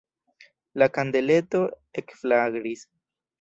La kandeleto ekflagris.